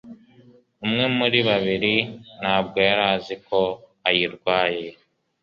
umwe muri babiri ntabwo yari azi ko ayirwaye